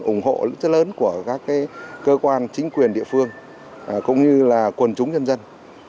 ủng hộ rất lớn của các cơ quan chính quyền địa phương cũng như quần chúng dân dân